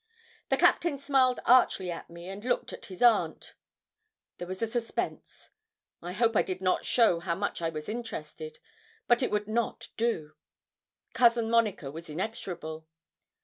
The Captain smiled archly at me, and looked at his aunt. There was a suspense. I hope I did not show how much I was interested but it would not do. Cousin Monica was inexorable.